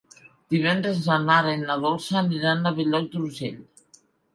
Divendres na Nara i na Dolça aniran a Bell-lloc d'Urgell.